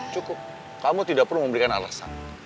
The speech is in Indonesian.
cukup kamu tidak perlu memberikan alasan